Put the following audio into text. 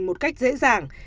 một cách dễ dàng